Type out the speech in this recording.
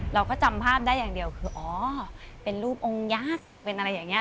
เราก็จำภาพได้อย่างเดียวคืออ๋อเป็นรูปองค์ยักษ์เป็นอะไรอย่างนี้